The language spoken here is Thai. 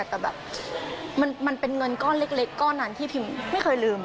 แต่แบบมันเป็นเงินก้อนเล็กก้อนนั้นที่พิมไม่เคยลืม